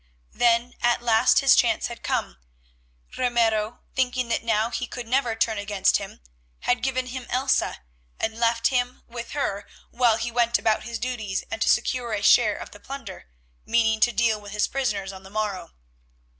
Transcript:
Then at last his chance had come. Ramiro, thinking that now he could never turn against him, had given him Elsa, and left him with her while he went about his duties and to secure a share of the plunder, meaning to deal with his prisoners on the morrow.